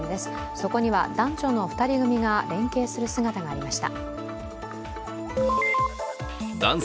そこには男女の２人組が連係する姿がありました。